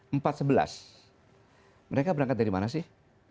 empat sebelas mereka berangkat dari mana sih